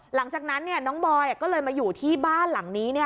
หลังจากนั้นน้องบอยก็เลยมาอยู่ที่บ้านหลังนี้